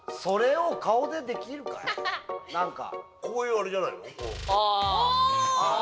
こういうあれじゃないの？